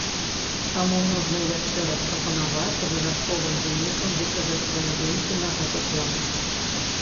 Таму можна яшчэ раз прапанаваць з абавязковым вынікам выказаць свае думкі на гэты конт.